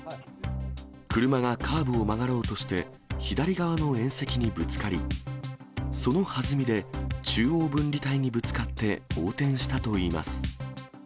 車がカーブを曲がろうとして、左側の縁石にぶつかり、その弾みで中央分離帯にぶつかって横転したといいます。